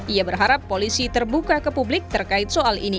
ia berharap polisi terbuka ke publik terkait soal ini